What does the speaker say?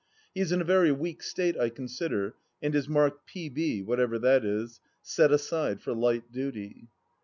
He is in a very weak state, I consider, and is marked P.B., whatever that is —" set aside for light duty."